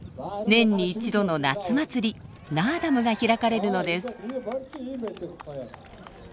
年に１度の夏祭り「ナーダム」が開かれるのです。